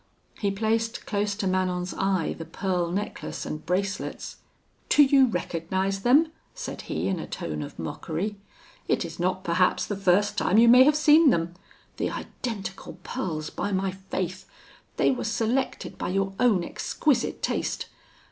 He placed close to Manon's eye the pearl necklace and bracelets. 'Do you recognise them?' said he, in a tone of mockery; 'it is not, perhaps, the first time you may have seen them. The identical pearls, by my faith! They were selected by your own exquisite taste!